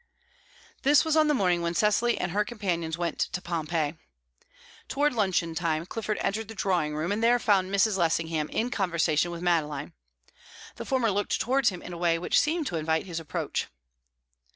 This was on the morning when Cecily and her companions went to Pompeii. Towards luncheon time, Clifford entered the drawing room, and there found Mrs. Lessingham in conversation with Madeline. The former looked towards him in a way which seemed to invite his approach.